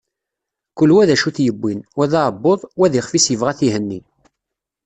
Kul wa acu i t-yewwin, wa d aɛebbuḍ, wa d ixef-is yebɣa ad t-ihenni.